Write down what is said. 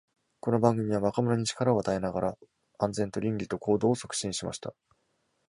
この番組は、若者に力を与えながら、安全と倫理と行動を促進しました。